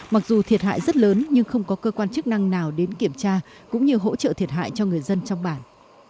mặc dù thiệt hại rất lớn nhưng không có cơ quan chức năng nào đến kiểm tra cũng như hỗ trợ thiệt hại cho người dân trong bản